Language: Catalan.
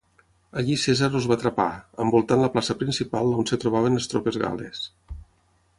Allí Cèsar els va atrapar, envoltant la plaça principal on es trobaven les tropes gal·les.